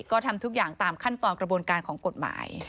ก็ทำทุกอย่างตามขั้นตอนกระบวนการของกฎหมาย